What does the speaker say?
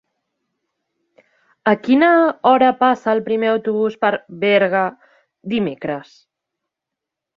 A quina hora passa el primer autobús per Berga dimecres?